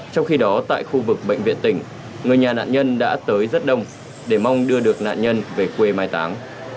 trong khi đó tại khu vực bệnh viện tỉnh người nhà nạn nhân đã tới rất đông để mong đưa được nạn nhân về quê mai táng